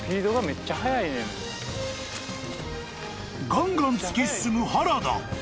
［ガンガン突き進む原田］